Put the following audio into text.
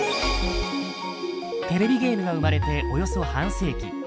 テレビゲームが生まれておよそ半世紀。